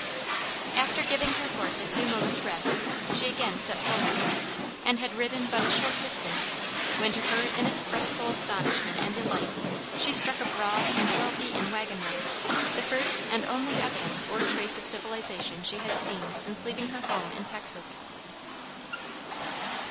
After giving her horse a few moments' rest, she again set forward, and had ridden but a short distance when, to her inexpressible astonishment and delight, she struck a broad and well beaten wagon road, the first and only evidence or trace of civilization she had seen since leaving her home in Texas.